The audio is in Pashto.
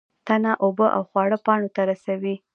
تنه اوبه او خواړه پاڼو ته رسوي